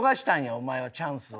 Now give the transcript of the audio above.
お前はチャンスを。